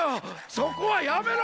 そこはやめろ！